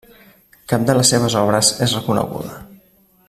Cap de les seves obres és coneguda.